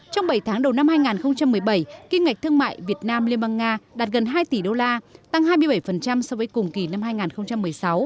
trong bảy tháng đầu năm hai nghìn một mươi bảy kinh ngạch thương mại việt nam liên bang nga đạt gần hai tỷ đô la tăng hai mươi bảy so với cùng kỳ năm hai nghìn một mươi sáu